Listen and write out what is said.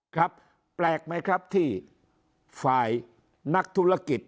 ครับแปลกไหมครับที่ฝ่ายนักธุรกิจ